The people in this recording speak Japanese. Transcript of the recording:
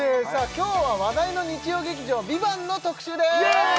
今日は話題の日曜劇場「ＶＩＶＡＮＴ」の特集ですイエーイ！